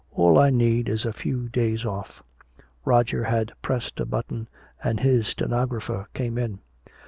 All I need is a few days off!" Roger had pressed a button, and his stenographer came in.